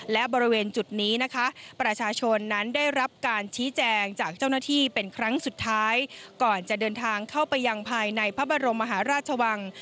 และบริเวณจุดนี้นะคะประชาชนนั้นได้รับการชี้แจงจากเจ้าหน้าที่เป็นครั้งสุดท้ายก่อนจะเดินทางเข้าไปยังภายในพระบรมมหาราชวัง